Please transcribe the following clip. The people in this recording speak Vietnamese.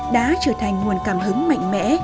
đã trở thành nguồn cảm hứng mạnh mẽ